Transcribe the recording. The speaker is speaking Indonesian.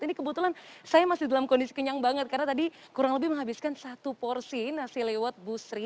ini kebetulan saya masih dalam kondisi kenyang banget karena tadi kurang lebih menghabiskan satu porsi nasi lewat busri